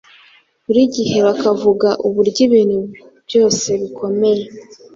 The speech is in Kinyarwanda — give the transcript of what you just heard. buri gihe bakavuga uburyo ibintu byose bikomeye.